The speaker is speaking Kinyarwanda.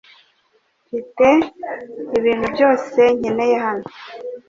Mfite ibintu byose nkeneye hano .